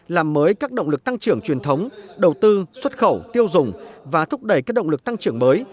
làm mới các động lực tăng trưởng truyền thống đầu tư xuất khẩu tiêu dùng và thúc đẩy các động lực tăng trưởng mới